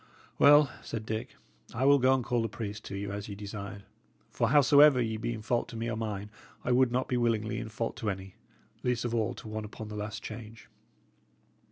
"Well," said Dick, "I will go call the priest to you as ye desired; for howsoever ye be in fault to me or mine, I would not be willingly in fault to any, least of all to one upon the last change."